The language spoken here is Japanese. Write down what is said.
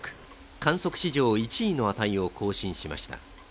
観測史上１位の値を更新しました。